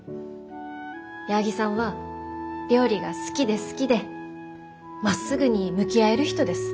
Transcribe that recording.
矢作さんは料理が好きで好きでまっすぐに向き合える人です。